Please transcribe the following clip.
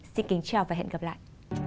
xin kính chào và hẹn gặp lại